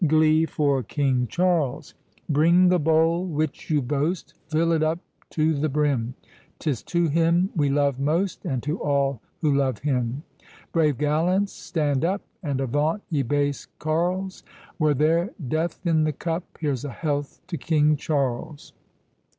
GLEE FOR KING CHARLES. Bring the bowl which you boast, Fill it up to the brim; 'Tis to him we love most, And to all who love him. Brave gallants, stand up. And avauant, ye base carles! Were there death in the cup, Here's a health to King Charles!